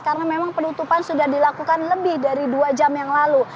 karena memang penutupan sudah dilakukan lebih dari dua jam yang lalu